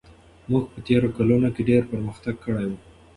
موږ په تېرو کلونو کې ډېر پرمختګ کړی و.